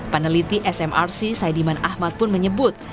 peneliti smrc saidiman ahmad pun menyebut